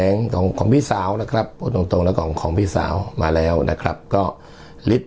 นานจะโพสต์ดี